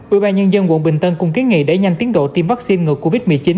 ủy ban nhân dân quận bình tân cũng kế nghị để nhanh tiến độ tiêm vaccine ngược covid một mươi chín